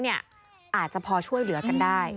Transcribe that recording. อาจจะพอช่วยเหลือกันได้